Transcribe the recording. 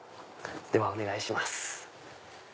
ではお願いします。